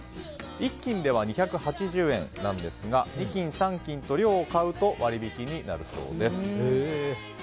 １斤では２８０円なんですが２斤３斤と量を多く買うと割引になるそうです。